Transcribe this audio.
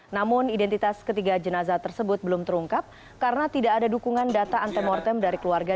namun identitas ketiga jenazah tersebut belum terungkap karena tidak ada dukungan data antemortem dari keluarga